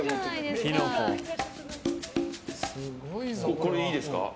これいいですか。